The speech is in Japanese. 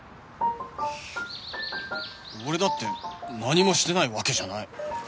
俺だって何もしてないわけじゃない